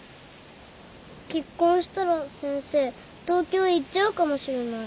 結婚したら先生東京行っちゃうかもしれない。